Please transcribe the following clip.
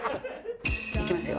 いきますよ。